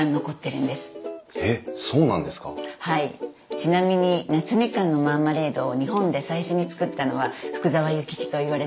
ちなみに夏みかんのマーマレードを日本で最初に作ったのは福沢諭吉といわれています。